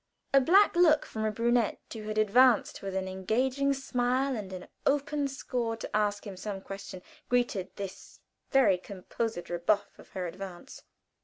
A black look from a pretty brunette, who had advanced with an engaging smile and an open score to ask him some question, greeted this very composed rebuff of her advance.